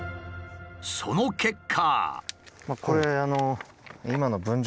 その結果。